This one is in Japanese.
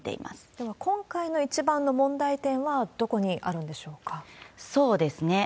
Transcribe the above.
では今回の一番の問題点はどこにあるんでしょうか？